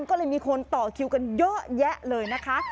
ก็เลยมีคนต่อคิวกันเยอะแยะเลยนะคะ